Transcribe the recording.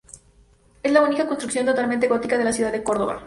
Es la única construcción totalmente gótica de la ciudad de Córdoba.